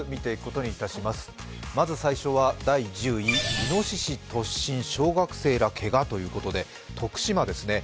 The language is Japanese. まず最初は第１０位イノシシ突進、小学生ら、けがということで徳島ですね。